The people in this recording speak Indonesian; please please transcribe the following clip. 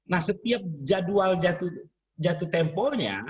nah setiap jadwal jatuh temponya